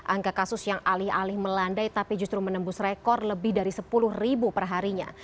angka kasus yang alih alih melandai tapi justru menembus rekor lebih dari sepuluh ribu perharinya